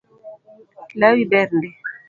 Lawi ber ndi